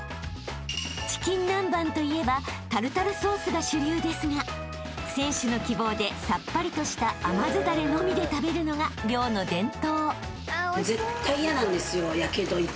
［チキン南蛮といえばタルタルソースが主流ですが選手の希望でさっぱりとした甘酢ダレのみで食べるのが寮の伝統］